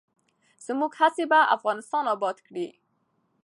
زموږ هڅې به افغانستان اباد کړي.